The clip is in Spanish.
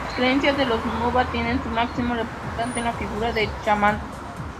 Las creencias de los nuba tienen su máximo representante en la figura del chamán.